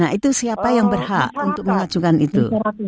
nah itu siapa yang berhak untuk mengajukan itu